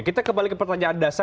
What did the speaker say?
kita kembali ke pertanyaan dasar